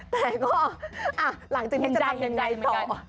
แต่ก็หลังจากนี้จะทำยังไงต่อ